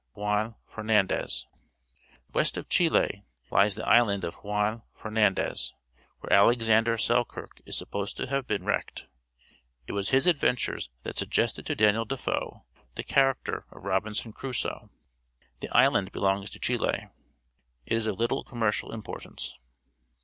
Juan Fernandez. — West of Chile lies the island of Juan Fernandez, where Alexander Selkirk is suppo.sed to have been wrecked. It was his adventures that suggested to Daniel Defoe the character of Robinson Crusoe. The island belongs to Chile. It is of Uttle commercial importance.